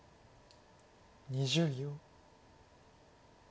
２０秒。